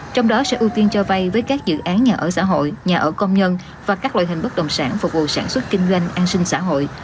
trong đó sẽ ưu tiên cho vay với các dự án nhà ở xã hội nhà ở công nhân và các loại hình bất đồng sản phục vụ sản xuất kinh doanh an sinh xã hội